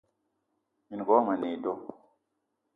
Minenga womo a ne e do.